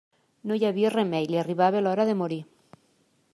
No hi havia remei: li arribava l'hora de morir.